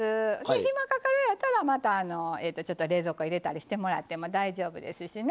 暇かかるようやったらまたちょっと冷蔵庫入れたりしてもらっても大丈夫ですしね。